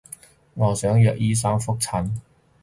我想約醫生覆診